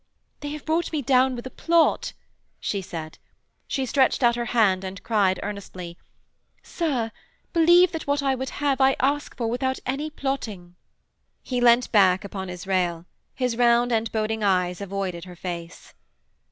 'They have brought me down with a plot,' she said. She stretched out her hand and cried earnestly: 'Sir, believe that what I would have I ask for without any plotting.' He leant back upon his rail. His round and boding eyes avoided her face.